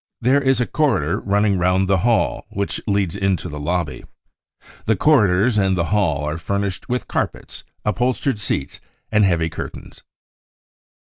There is a corridor running round the hall which leads into the lobby. The corridors and the hall are furnished with carpets, upholstered seats and heavy curtains.